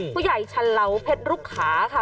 ผู้ใหญ่ชะเลาเผ็ดลูกขาค่ะ